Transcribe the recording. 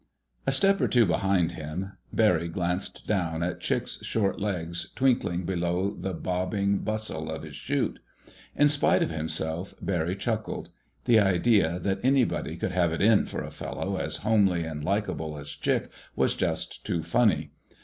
A step or two behind him, Barry glanced down at Chick's short legs twinkling below the bobbing bustle of his 'chute. In spite of himself Barry chuckled. The idea that anybody could "have it in for" a fellow as homely and likeable as Chick was just too funny.